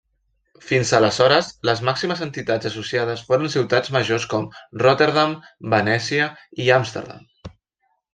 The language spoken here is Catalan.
Fins aleshores, les màximes entitats associades foren ciutats majors com Rotterdam, Venècia i Amsterdam.